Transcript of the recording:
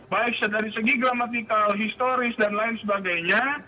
baik dari segi gramatikal historis dan lain sebagainya